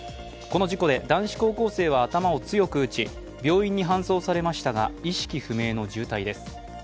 この事故で男子高校生は頭を強く打ち病院に搬送されましたが意識不明の重体です。